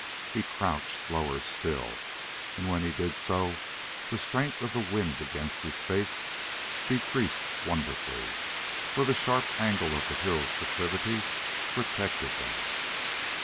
He crouched lower still, and when he did so the strength of the wind against his face decreased wonderfully, for the sharp angle of the hill's declivity protected them.